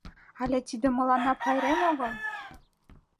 Але тиде мыланна пайрем огыл?